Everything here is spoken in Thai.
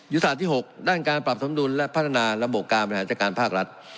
ศาสตร์ที่๖ด้านการปรับสมดุลและพัฒนาระบบการบริหารจัดการภาครัฐ